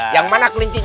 yang mana kelincinya